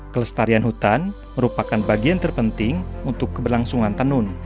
kelestarian hutan merupakan bagian terpenting untuk keberlangsungan tenun